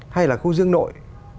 hay là khu dương nội